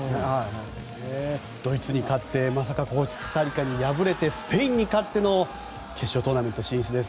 ドイツに勝ってまさかコスタリカに敗れてスペインに勝っての決勝トーナメント進出です。